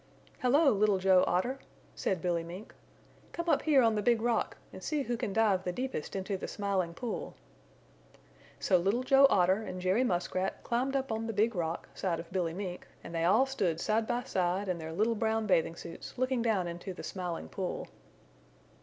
"Hello, Little Joe Otter," said Billy Mink. "Come up here on the Big Rock and see who can dive the deepest into the Smiling Pool." So Little Joe Otter and Jerry Muskrat climbed up on the Big Rock side of Billy Mink and they all stood side by side in their little brown bathing suits looking down into the Smiling Pool.